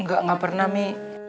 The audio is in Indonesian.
gak gak pernah mi